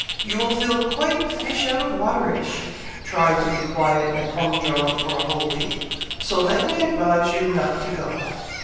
You will feel quite fish out of water ish, trying to be quiet and hum drum for a whole week, so let me advise you not to go."